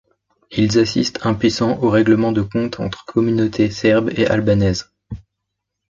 Ils assistent, impuissants, aux règlements de compte entre communautés serbes et albanaises.